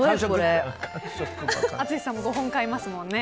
淳さんも５本買いますもんね。